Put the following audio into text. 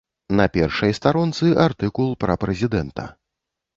На першай старонцы артыкул пра прэзідэнта.